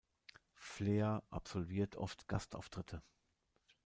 Flea absolviert oft Gastauftritte.